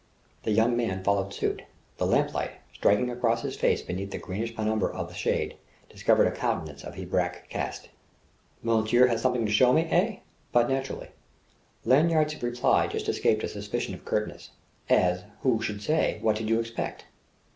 The young man followed suit. The lamplight, striking across his face beneath the greenish penumbra of the shade, discovered a countenance of Hebraic cast. "Monsieur has something to show me, eh?" "But naturally." Lanyard's reply just escaped a suspicion of curtness: as who should say, what did you expect?